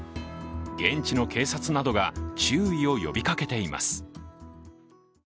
現地の警察などが注意を呼びかけています。